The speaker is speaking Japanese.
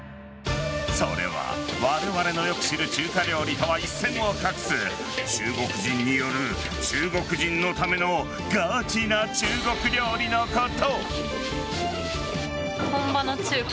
それはわれわれのよく知る中華料理とは一線を画す中国人による中国人のためのガチな中国料理のこと。